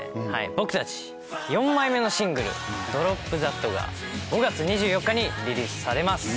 僕たち４枚目のシングル『ＤＲＯＰＴｈａｔ』が５月２４日にリリースされます。